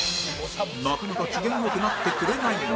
なかなか機嫌良くなってくれないが